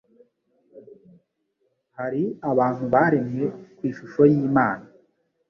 Hari abantu, baremwe ku ishusho y'Imana